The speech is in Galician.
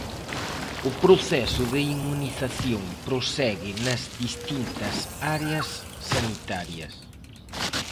O proceso de inmunización prosegue nas distintas áreas sanitarias.